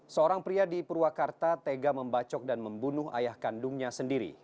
seorang pria di purwakarta tega membacok dan membunuh ayah kandungnya sendiri